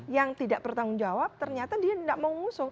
yang tidak bertanggung jawab ternyata dia tidak mau mengusung